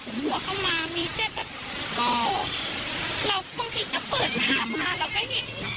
หัวเข้ามามีแต่แบบโอ้เราบางทีก็เปิดน้ำมาเราก็เห็น